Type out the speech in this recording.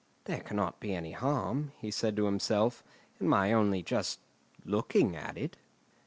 "There cannot be any harm," he said to himself, "in my only just looking at it!"